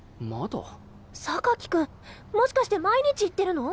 君もしかして毎日行ってるの？